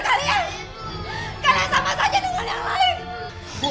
kalian sama saja dengan orang lain